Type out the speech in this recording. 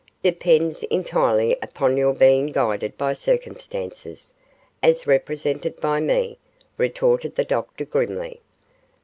'Depends entirely upon your being guided by circumstances, as represented by me,' retorted the Doctor, grimly.